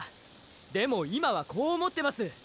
でも今はこう思ってます。